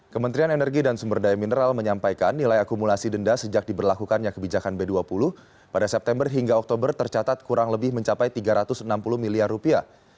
kementerian energi dan sumber daya mineral menyampaikan nilai akumulasi denda sejak diberlakukannya kebijakan b dua puluh pada september hingga oktober tercatat kurang lebih mencapai tiga ratus enam puluh miliar rupiah